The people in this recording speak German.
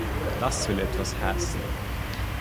Das will etwas heißen.